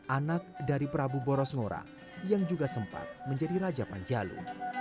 anak dari prabu boros ngora yang juga sempat menjadi raja panjalu